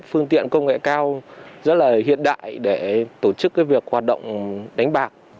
phương tiện công nghệ cao rất là hiện đại để tổ chức việc hoạt động đánh bạc